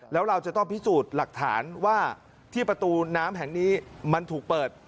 แล้วเราจะต้องพิสูจน์หลักฐานว่าที่ประตูน้ำแห่งนี้มันถูกเปิด